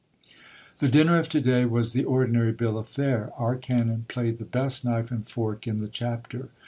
The dinner of to day was the ordinary bill of fare. Our canon played the best knife and fork in the chapter.